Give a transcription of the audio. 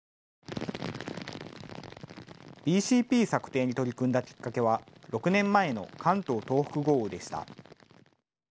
ＢＣＰ策定に取り組んだきっかけは６年前の関東・東北豪雨でした。